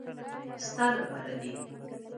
ستا له پاره دي .